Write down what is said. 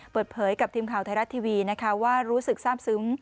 เปิดเผยกับทีมข่าวไทยรัฐทีวีนะคะว่ารู้สึกทราบซึ้ง